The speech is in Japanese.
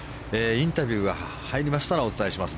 インタビューが入りましたらお伝えします。